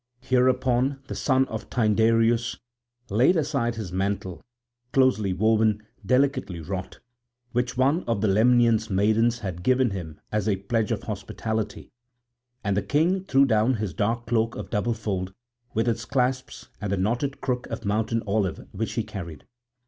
Hereupon the son of Tyndareus laid aside his mantle, closely woven, delicately wrought, which one of the Lemnian maidens had given him as a pledge of hospitality; and the king threw down his dark cloak of double fold with its clasps and the knotted crook of mountain olive which he carried.